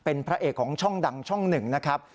เป็นพระเอกของช่องดังช่องหนึ่งนะครับ